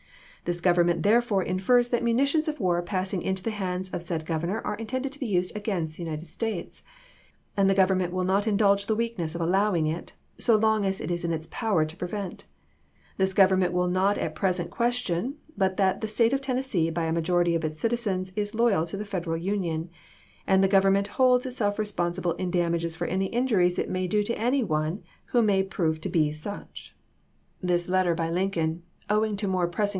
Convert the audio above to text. This Government therefore infers that munitions of war passing into the hands of said Governor are intended to be used against the United States ; and the Government will not indulge the weak ness of allowing it, so long as it is in its power to prevent. This Government will not at present question, but that the State of Tennessee by a majority of its citizens is loyal to the Federal Union, and the Government holds itself responsible in damages for all injuries it may do to any one who may prove to be such. THE OHIO LINE 197 This letter by Lincoln, owing to more pressing chap.